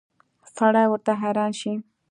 سړی ورته حیران شي.